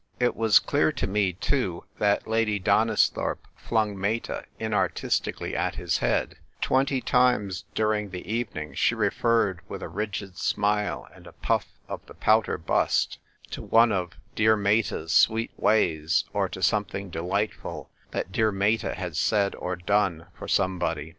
It was clear to me, too, that Lady Donisthorpe flung Meta in artistically at his head ; twenty times during the evening she referred with a rigid smile and a pufT of the pouter bust to one of dear Meta's sweet ways or to something delightful that dear Meta had said or done for some body.